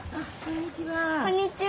こんにちは。